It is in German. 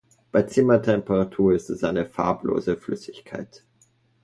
Bei Zimmertemperatur ist es eine farblose Flüssigkeit.